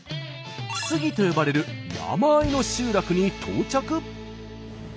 「杉」と呼ばれる山あいの集落に到着。